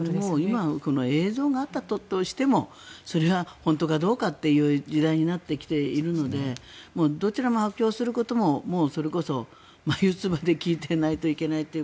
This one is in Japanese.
今この映像があったとしてもそれは本当かどうかという時代になってきているのでどちらも発表することもそれこそ眉つばで聞いていないといけない。